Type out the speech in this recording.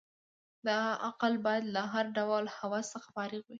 دا عقل باید له هر ډول هوس څخه فارغ وي.